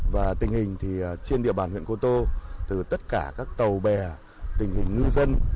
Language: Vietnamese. và tình hình thì trên địa bàn huyện cô tô từ tất cả các tàu bè tình hình ngư dân